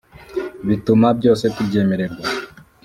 bituma byose tubyemererwa